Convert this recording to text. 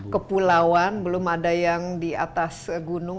kepulauan belum ada yang di atas gunung